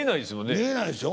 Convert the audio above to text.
見えないでしょ。